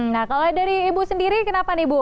nah kalau dari ibu sendiri kenapa nih bu